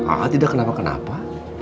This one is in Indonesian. ah tidak kenapa kenapa